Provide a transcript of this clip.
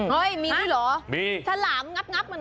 เฮ้ยมีด้วยเหรอมีฉลามงับมันนะ